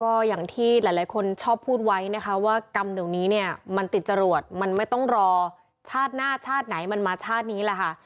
ก็อย่างที่หลายคนชอบพูดไว้นะคะว่ากรรมเดี๋ยวนี้เนี่ยมันติดจรวดมันไม่ต้องรอชาติหน้าชาติไหนมันมาชาตินี้แหละค่ะ